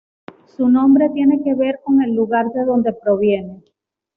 Su nombre tiene que ver con el lugar de donde proviene.